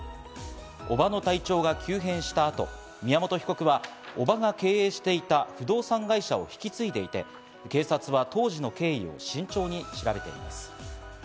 叔母の体調が急変したあと、宮本被告は叔母が経営していた不動産会社を引き継いでいて、警察は当時の経緯を慎重に調べています。